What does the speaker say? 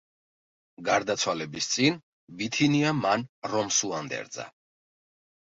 გარდაცვალების წინ ბითინია მან რომს უანდერძა.